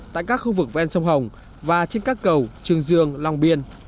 tại các khu vực ven sông hồng và trên các cầu trường dương long biên